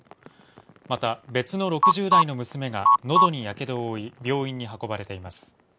また、別の６０代の娘が喉にやけどを負い、病院に運ばれています。